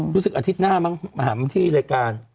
รู้สึกอาทิตย์หน้าบ้างประหารบัญฑีรายการ